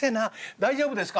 大丈夫ですか？」。